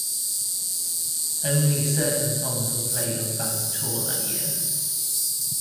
Only certain songs were played on the band's tour that year.